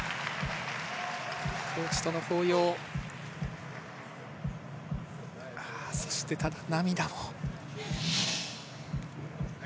コーチとの抱擁、そして涙も。